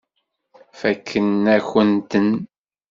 Fakken-akent-ten.